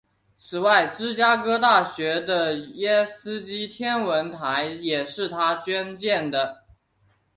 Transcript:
此外芝加哥大学的耶基斯天文台也是他捐建的。